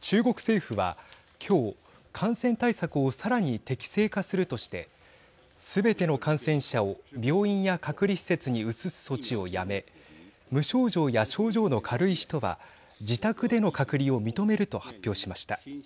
中国政府は今日、感染対策をさらに適正化するとしてすべての感染者を病院や隔離施設に移す措置をやめ無症状や症状の軽い人は自宅での隔離を認めると発表しました。